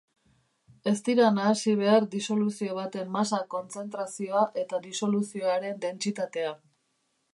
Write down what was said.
Ez dira nahasi behar disoluzio baten masa-kontzentrazioa eta disoluzioaren dentsitatea.